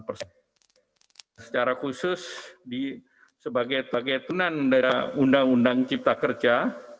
delapan persen secara khusus di sebagai target nanda undang undang cipta kerja